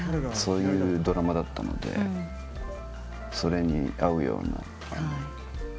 そういうドラマだったのでそれに合うような。